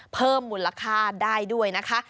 เพิ่มมูลค่าได้ด้วยนะคะ